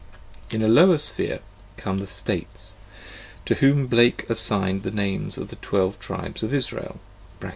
In a lower sphere come the states to whom Blake assigned the names of the Twelve Tribes of Israel (cf.